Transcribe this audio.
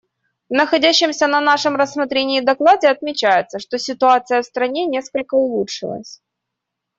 В находящемся на нашем рассмотрении докладе отмечается, что ситуация в стране несколько улучшилась.